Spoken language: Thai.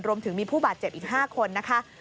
รวมถึงมีผู้บาดเจ็บอีก๕คนนะคะ